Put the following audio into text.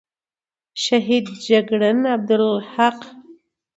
شهید جگړن عبدالحق،